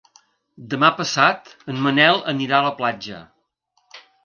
Demà passat en Manel anirà a la platja.